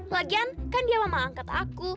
lagian kan dia mau angkat aku